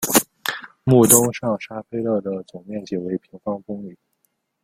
穆东上沙佩勒的总面积为平方公里。